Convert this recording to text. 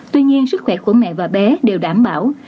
tuy nhiên sức khỏe của mẹ và bé đều đảm bảo